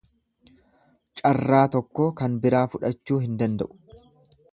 Carraa tokkoo kan biraa fudhachuu hin danda'u.